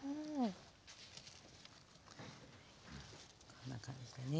こんな感じでね。